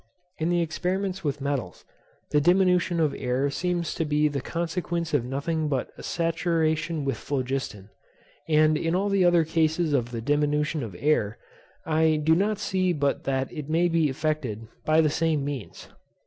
In the experiments with metals, the diminution of air seems to be the consequence of nothing but a saturation with phlogiston; and in all the other cases of the diminution of air, I do not see but that it may be effected by the same means.